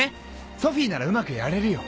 ソフィーならうまくやれるよ。